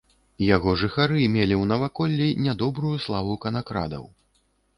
Яго жыхары мелі ў наваколлі нядобрую славу канакрадаў.